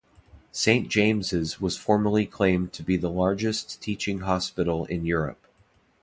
Saint James's was formerly claimed to be the largest teaching hospital in Europe.